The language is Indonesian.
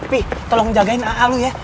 pi tolong jagain aa lu ya